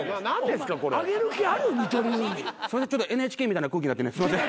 ＮＨＫみたいな空気になってねすいません。